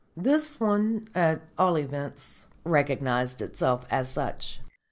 This one, at all events, recognised itself as such."